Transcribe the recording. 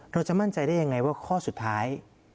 เราจะมั่นใจได้ยังไงว่าข้อสุดท้าย